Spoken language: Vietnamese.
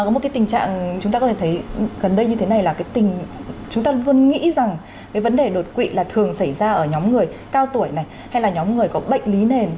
có một cái tình trạng chúng ta có thể thấy gần đây như thế này là chúng ta luôn nghĩ rằng cái vấn đề đột quỵ là thường xảy ra ở nhóm người cao tuổi này hay là nhóm người có bệnh lý nền